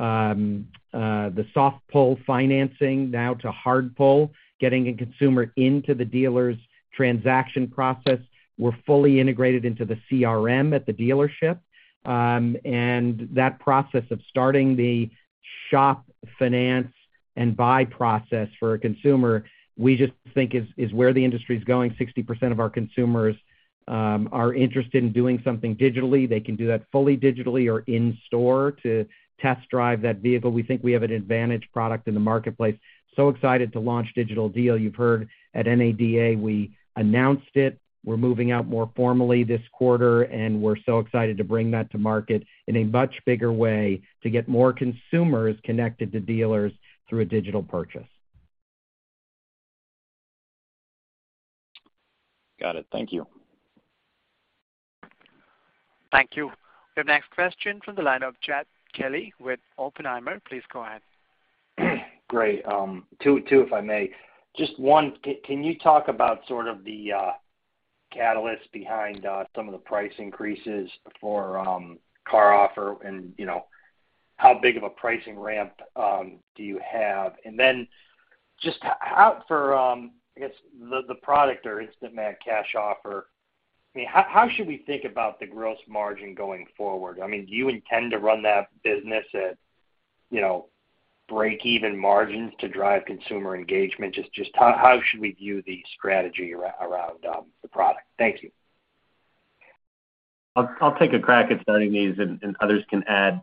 soft pull financing now to hard pull, getting a consumer into the dealer's transaction process. We're fully integrated into the CRM at the dealership, and that process of starting the shop, finance, and buy process for a consumer, we just think is where the industry is going. 60% of our consumers are interested in doing something digitally. They can do that fully digitally or in store to test drive that vehicle. We think we have an advantageous product in the marketplace. Excited to launch Digital Deal. You've heard at NADA, we announced it. We're moving out more formally this quarter, we're so excited to bring that to market in a much bigger way to get more consumers connected to dealers through a digital purchase. Got it. Thank you. Thank you. Your next question from the line of Jed Kelly with Oppenheimer. Please go ahead. Great. Two, if I may. Just one, can you talk about sort of the catalyst behind some of the price increases for CarOffer and you know how big of a pricing ramp do you have? Then just for the product or Instant Max Cash Offer, I mean, how should we think about the gross margin going forward? I mean, do you intend to run that business at you know break even margins to drive consumer engagement? Just how should we view the strategy around the product? Thank you. I'll take a crack at starting these, and others can add.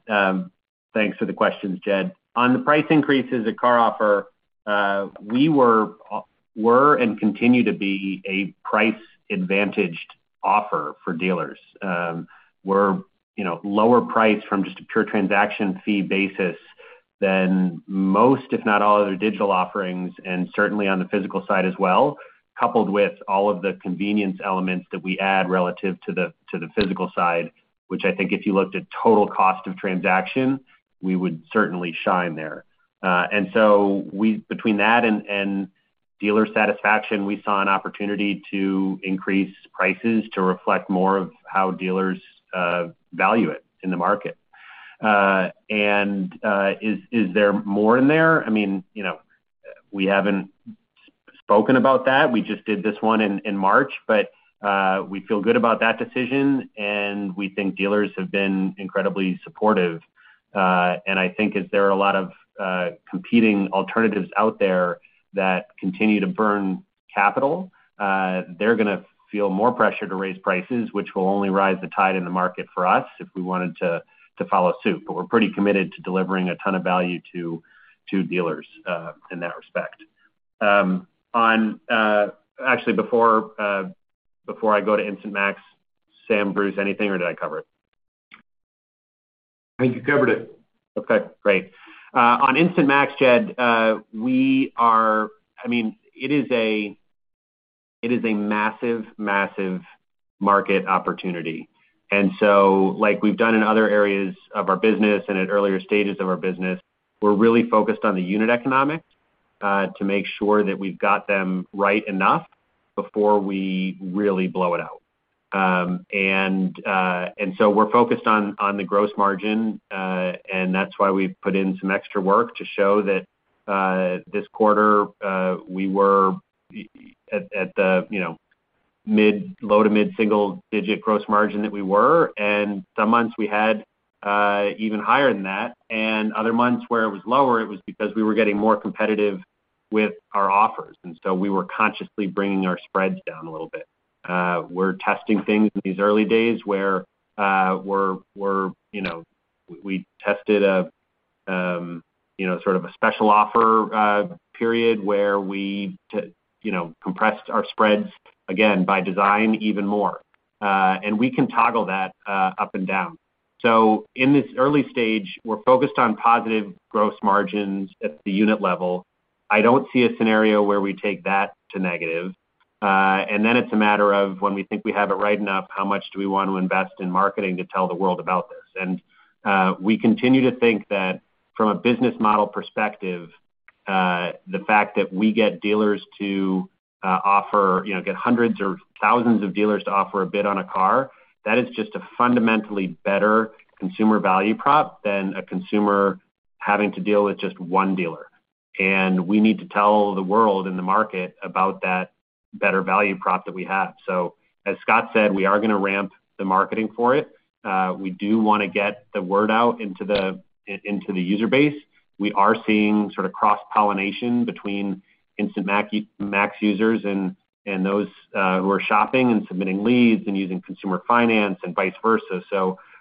Thanks for the questions, Jed. On the price increases at CarOffer, we were and continue to be a price-advantaged offer for dealers. We're, you know, lower priced from just a pure transaction fee basis than most, if not all, other digital offerings, and certainly on the physical side as well, coupled with all of the convenience elements that we add relative to the physical side, which I think if you looked at total cost of transaction, we would certainly shine there. Between that and dealer satisfaction, we saw an opportunity to increase prices to reflect more of how dealers value it in the market. Is there more in there? I mean, you know, we haven't spoken about that. We just did this one in March. We feel good about that decision, and we think dealers have been incredibly supportive. I think as there are a lot of competing alternatives out there that continue to burn capital, they're gonna feel more pressure to raise prices, which will only rise the tide in the market for us if we wanted to follow suit. We're pretty committed to delivering a ton of value to dealers in that respect. Actually, before I go to Instant Max, Sam, Bruce, anything, or did I cover it? I think you covered it. Okay, great. On Instant Max, Jed, I mean, it is a massive market opportunity. Like we've done in other areas of our business and at earlier stages of our business, we're really focused on the unit economics to make sure that we've got them right enough before we really blow it out. We're focused on the gross margin, and that's why we've put in some extra work to show that this quarter we were at the, you know, low- to mid-single-digit gross margin that we were. Some months we had even higher than that. Other months where it was lower, it was because we were getting more competitive with our offers. We were consciously bringing our spreads down a little bit. We're testing things in these early days where we're you know we tested you know sort of a special offer period where we too you know compressed our spreads again by design even more. We can toggle that up and down. In this early stage, we're focused on positive gross margins at the unit level. I don't see a scenario where we take that to negative. It's a matter of when we think we have it right enough, how much do we want to invest in marketing to tell the world about this? We continue to think that from a business model perspective, the fact that we get dealers to offer, you know, get hundreds or thousands of dealers to offer a bid on a car, that is just a fundamentally better consumer value prop than a consumer having to deal with just one dealer. We need to tell the world and the market about that better value prop that we have. As Scot said, we are gonna ramp the marketing for it. We do wanna get the word out into the user base. We are seeing sort of cross-pollination between Instant Max users and those who are shopping and submitting leads and using consumer finance and vice versa.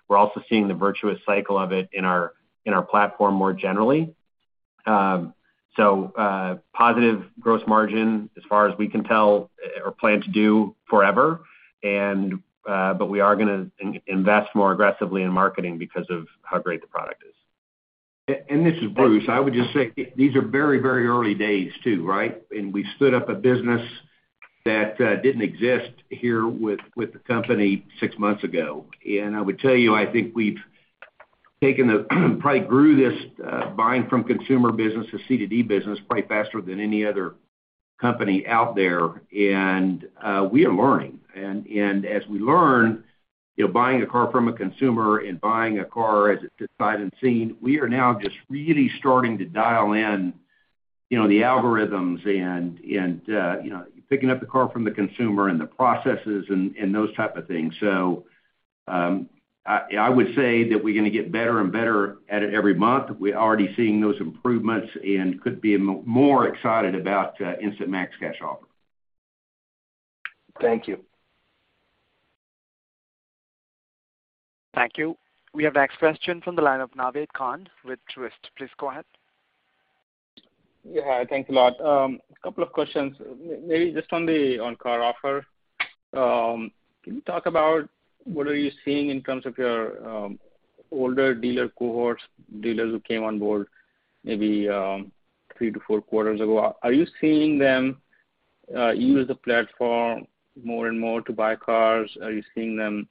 We're also seeing the virtuous cycle of it in our platform more generally. Positive gross margin as far as we can tell or plan to do forever. But we are gonna invest more aggressively in marketing because of how great the product is. This is Bruce. I would just say these are very, very early days too, right? We stood up a business that didn't exist here with the company six months ago. I would tell you, I think we've probably grown this buying from consumer business to C2D business probably faster than any other company out there. We are learning. As we learn, you know, buying a car from a consumer and buying a car sight unseen, we are now just really starting to dial in, you know, the algorithms and picking up the car from the consumer and the processes and those type of things. I would say that we're gonna get better and better at it every month. We're already seeing those improvements and couldn't be more excited about Instant Max Cash Offer. Thank you. Thank you. We have next question from the line of Naved Khan with Truist. Please go ahead. Yeah. Thanks a lot. A couple of questions. Maybe just on CarOffer. Can you talk about what are you seeing in terms of your older dealer cohorts, dealers who came on board maybe three to four quarters ago? Are you seeing them use the platform more and more to buy cars? Are you seeing them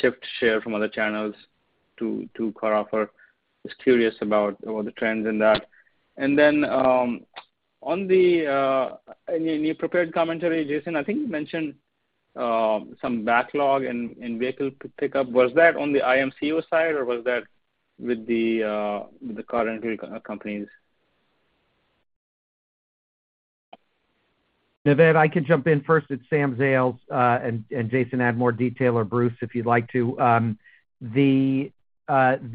shift share from other channels to CarOffer? Just curious about all the trends in that. Then, in your prepared commentary, Jason, I think you mentioned some backlog in vehicle pickup. Was that on the IMCO side or was that with the car rental companies? Naved, I can jump in first. It's Sam Zales. Jason, add more detail or Bruce if you'd like to. The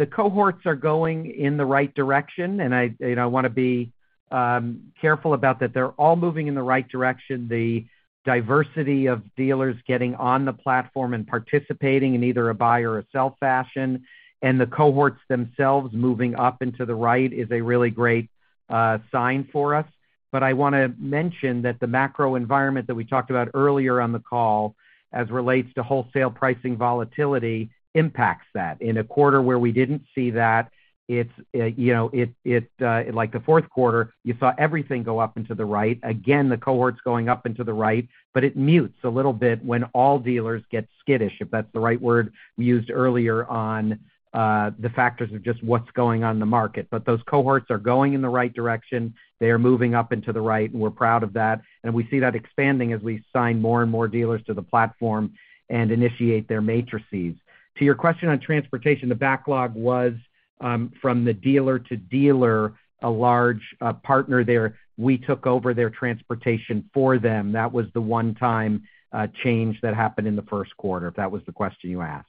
cohorts are going in the right direction, and I, you know, wanna be careful about that they're all moving in the right direction. The diversity of dealers getting on the platform and participating in either a buy or a sell fashion and the cohorts themselves moving up into the right is a really great sign for us. But I wanna mention that the macro environment that we talked about earlier on the call as relates to wholesale pricing volatility impacts that. In a quarter where we didn't see that, it's, you know, it like the fourth quarter, you saw everything go up into the right. Again, the cohorts going up into the right, but it mutes a little bit when all dealers get skittish, if that's the right word we used earlier on, the factors of just what's going on in the market. Those cohorts are going in the right direction. They are moving up into the right, and we're proud of that, and we see that expanding as we sign more and more dealers to the platform and initiate their matrices. To your question on transportation, the backlog was from the dealer to dealer, a large partner there. We took over their transportation for them. That was the one-time change that happened in the first quarter, if that was the question you asked.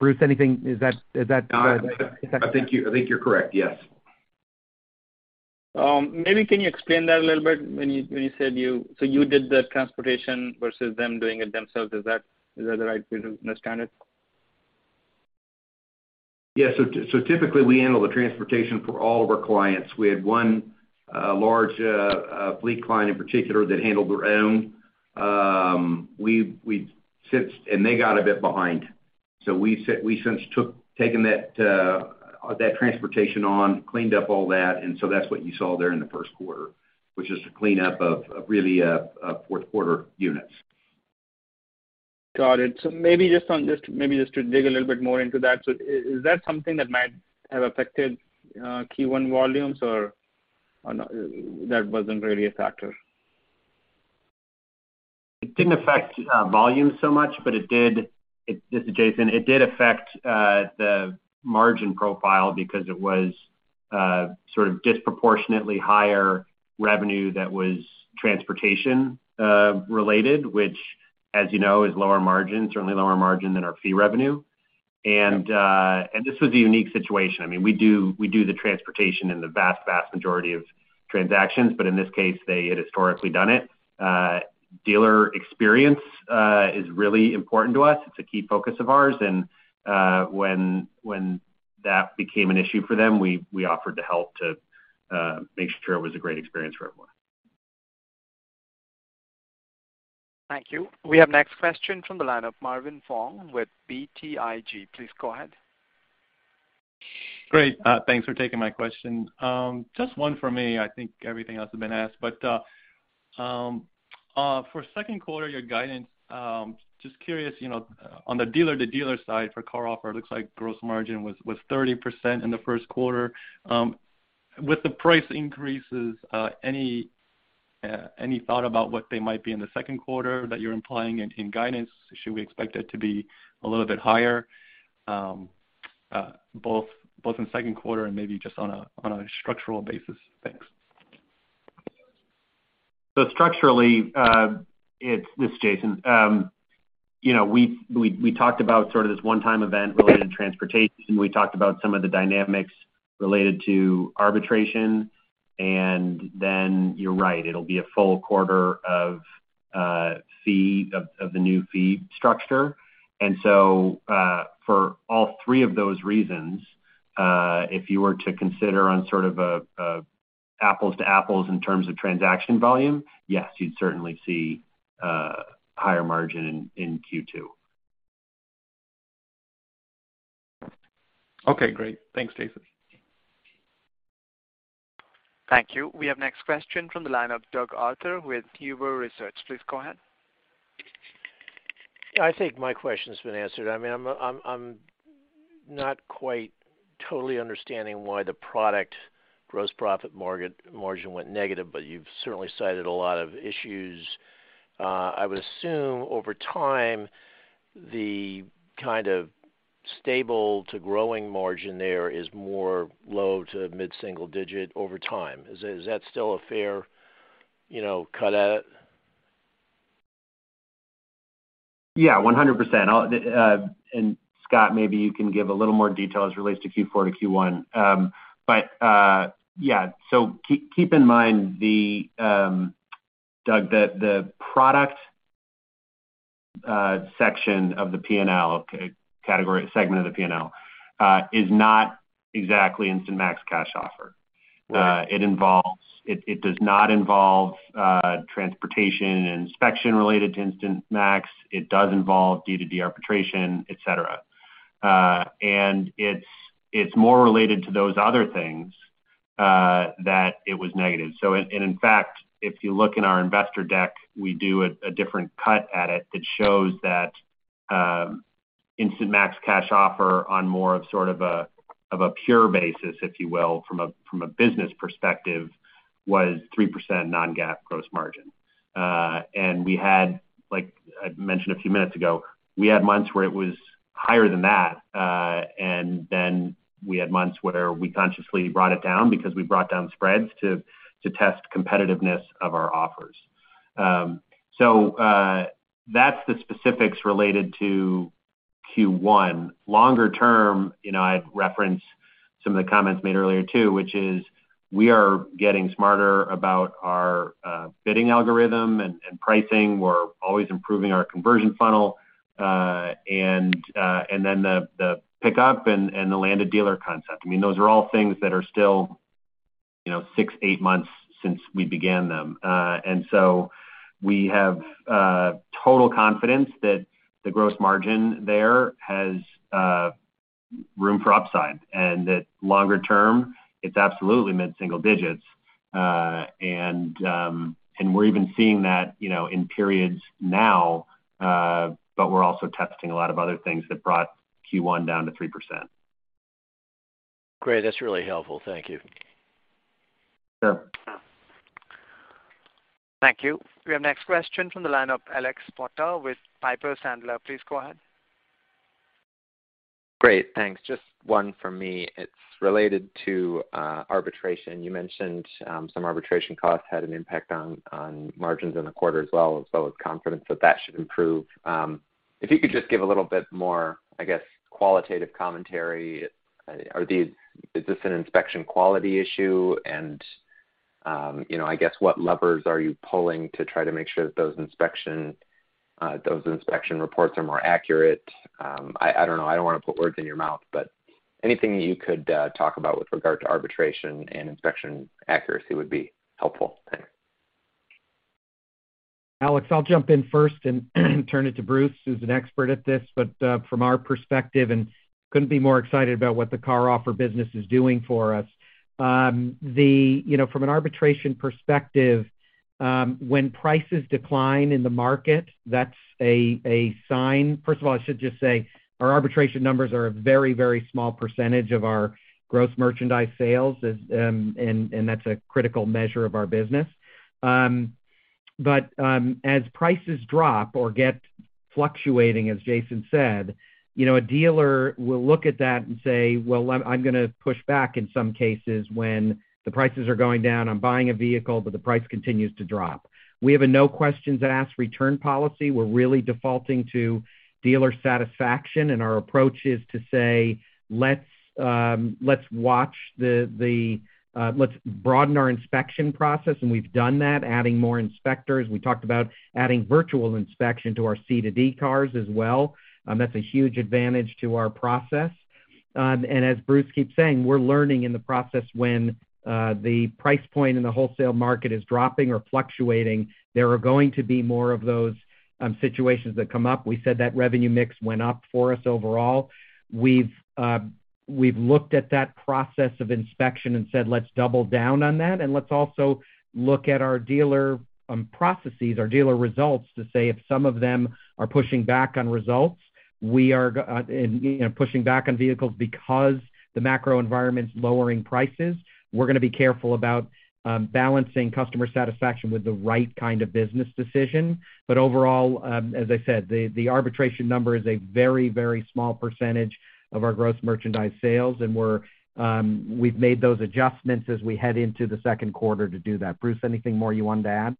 Bruce, anything? Is that correct? I think you're correct, yes. Maybe can you explain that a little bit when you said you did the transportation versus them doing it themselves. Is that the right way to understand it? Typically, we handle the transportation for all of our clients. We had one large fleet client in particular that handled their own. They got a bit behind. We've since taken that transportation on, cleaned up all that, and that's what you saw there in the first quarter, which is the cleanup of really fourth quarter units. Got it. Maybe just to dig a little bit more into that. Is that something that might have affected Q1 volumes or not? That wasn't really a factor? It didn't affect volume so much, but it did affect the margin profile because it was sort of disproportionately higher revenue that was transportation related, which as you know, is lower margin, certainly lower margin than our fee revenue. This is Jason. This was a unique situation. I mean, we do the transportation in the vast majority of transactions, but in this case, they had historically done it. Dealer experience is really important to us. It's a key focus of ours. When that became an issue for them, we offered to help make sure it was a great experience for everyone. Thank you. We have next question from the line of Marvin Fong with BTIG. Please go ahead. Great. Thanks for taking my question. Just one for me. I think everything else has been asked. For second quarter, your guidance, just curious, you know, on the dealer to dealer side for CarOffer, it looks like gross margin was 30% in the first quarter. With the price increases, any thought about what they might be in the second quarter that you're implying in guidance? Should we expect it to be a little bit higher, both in second quarter and maybe just on a structural basis? Thanks. Structurally, this is Jason. You know, we talked about sort of this one-time event related to transportation. We talked about some of the dynamics related to arbitration, and then you're right, it'll be a full quarter of the new fee structure. For all three of those reasons, if you were to consider sort of a apples to apples in terms of transaction volume, yes, you'd certainly see higher margin in Q2. Okay, great. Thanks, Jason. Thank you. We have next question from the line of Doug Arthur with Huber Research Partners. Please go ahead. I think my question's been answered. I mean, I'm not quite totally understanding why the product gross profit margin went negative, but you've certainly cited a lot of issues. I would assume over time, the kind of stable to growing margin there is more low to mid-single digit over time. Is that still a fair, you know, cut at it? Yeah, 100%. I'll, Scot, maybe you can give a little more detail as it relates to Q4 to Q1. Keep in mind, Doug, the product section of the P&L category segment of the P&L is not exactly Instant Max Cash Offer. Right. It does not involve transportation and inspection related to Instant Max. It does involve D2D arbitration, et cetera. It's more related to those other things that it was negative. In fact, if you look in our investor deck, we do a different cut at it that shows that Instant Max Cash Offer on more of sort of a pure basis, if you will, from a business perspective, was 3% non-GAAP gross margin. Like I mentioned a few minutes ago, we had months where it was higher than that, and then we had months where we consciously brought it down because we brought down spreads to test competitiveness of our offers. That's the specifics related to Q1. Longer term, you know, I'd reference some of the comments made earlier too, which is we are getting smarter about our bidding algorithm and pricing. We're always improving our conversion funnel. Then the pickup and the landed dealer concept. I mean, those are all things that are still, you know, six, eight months since we began them. We have total confidence that the gross margin there has room for upside, and that longer term, it's absolutely mid-single digits. We're even seeing that, you know, in periods now, but we're also testing a lot of other things that brought Q1 down to 3%. Great. That's really helpful. Thank you. Sure. Thank you. We have next question from the line of Alex Potter with Piper Sandler. Please go ahead. Great, thanks. Just one for me. It's related to arbitration. You mentioned some arbitration costs had an impact on margins in the quarter as well as confidence that should improve. If you could just give a little bit more, I guess, qualitative commentary. Is this an inspection quality issue? You know, I guess what levers are you pulling to try to make sure that those inspection reports are more accurate? I don't know. I don't wanna put words in your mouth, but anything you could talk about with regard to arbitration and inspection accuracy would be helpful. Thanks. Alex, I'll jump in first and turn it to Bruce, who's an expert at this. From our perspective, and couldn't be more excited about what the CarOffer business is doing for us. You know, from an arbitration perspective, when prices decline in the market, that's a sign. First of all, I should just say our arbitration numbers are a very, very small percentage of our gross merchandise sales, and that's a critical measure of our business. As prices drop or get fluctuating, as Jason said, you know, a dealer will look at that and say, "Well, I'm gonna push back in some cases when the prices are going down. I'm buying a vehicle, but the price continues to drop." We have a no-questions-asked return policy. We're really defaulting to dealer satisfaction, and our approach is to say, "Let's broaden our inspection process," and we've done that, adding more inspectors. We talked about adding virtual inspection to our C2D cars as well. That's a huge advantage to our process. As Bruce keeps saying, we're learning in the process when the price point in the wholesale market is dropping or fluctuating, there are going to be more of those situations that come up. We said that revenue mix went up for us overall. We've looked at that process of inspection and said, "Let's double down on that, and let's also look at our dealer processes, our dealer results to say if some of them are pushing back on results, you know, pushing back on vehicles because the macro environment's lowering prices." We're gonna be careful about balancing customer satisfaction with the right kind of business decision. Overall, as I said, the arbitration number is a very, very small percentage of our gross merchandise sales, and we've made those adjustments as we head into the second quarter to do that. Bruce, anything more you wanted to add?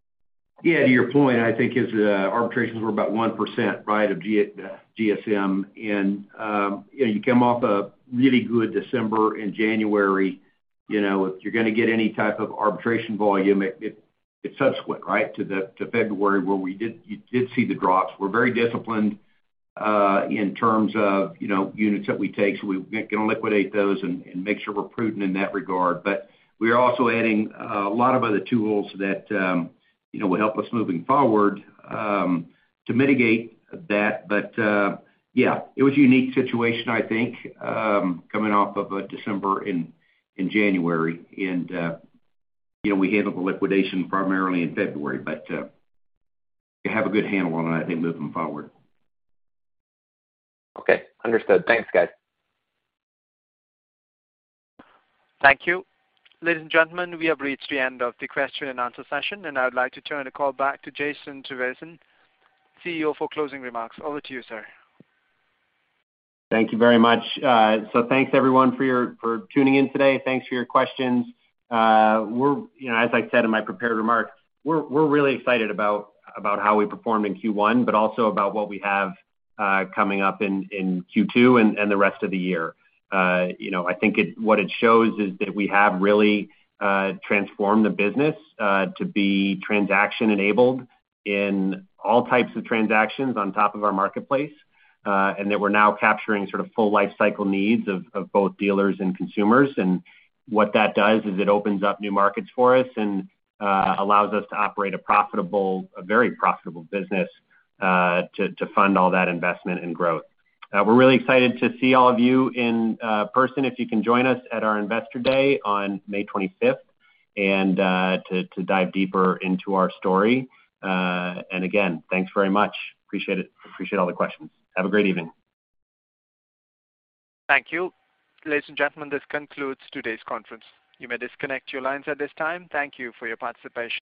Yeah. To your point, I think it's arbitrations were about 1%, right, of GMS. You know, you come off a really good December and January. You know, if you're gonna get any type of arbitration volume, it's subsequent, right, to February, where you did see the drops. We're very disciplined in terms of, you know, units that we take, so we gonna liquidate those and make sure we're prudent in that regard. We are also adding a lot of other tools that, you know, will help us moving forward to mitigate that. Yeah, it was a unique situation, I think, coming off of a December and January. You know, we handled the liquidation primarily in February, but we have a good handle on that, I think, moving forward. Okay. Understood. Thanks, guys. Thank you. Ladies and gentlemen, we have reached the end of the question and answer session, and I would like to turn the call back to Jason Trevisan, CEO, for closing remarks. Over to you, sir. Thank you very much. So thanks, everyone, for your for tuning in today. Thanks for your questions. We're, you know, as I said in my prepared remarks, we're really excited about how we performed in Q1 but also about what we have coming up in Q2 and the rest of the year. You know, I think it what it shows is that we have really transformed the business to be transaction enabled in all types of transactions on top of our marketplace and that we're now capturing sort of full lifecycle needs of both dealers and consumers. What that does is it opens up new markets for us and allows us to operate a profitable, a very profitable business to fund all that investment and growth. We're really excited to see all of you in person if you can join us at our Investor Day on May 25th and to dive deeper into our story. Again, thanks very much. Appreciate it. Appreciate all the questions. Have a great evening. Thank you. Ladies and gentlemen, this concludes today's conference. You may disconnect your lines at this time. Thank you for your participation.